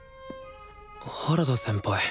原田先輩